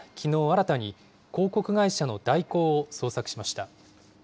新たに、広告会社の大広を捜索しました。